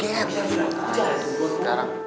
jangan tunggu sekarang